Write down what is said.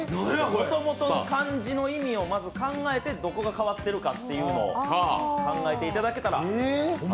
もともとの漢字の意味を考えて、どこが変わっているかを考えていただけたら。